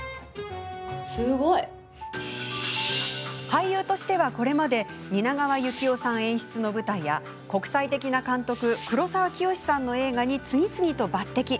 俳優としては、これまで蜷川幸雄さん演出の舞台や国際的な監督黒沢清さんの映画に次々と抜てき。